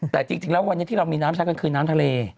แต่จริงแล้ววันนี้ที่เรามีน้ำใช้กันคือน้ำทะเล